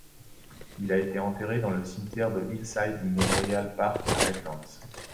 Il a été enterré dans le cimetière de Hillside Memorial Park à Redlands.